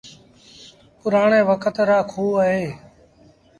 پُرآڻي وکت رآ کوه اهيݩ۔